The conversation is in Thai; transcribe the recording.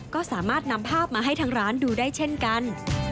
ก็สามารถนำภาพมาให้ทางร้านดูได้เช่นกัน